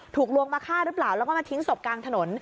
ลวงมาฆ่าหรือเปล่าแล้วก็มาทิ้งศพกลางถนน